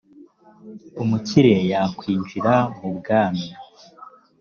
umukire yakwinjira mu bwami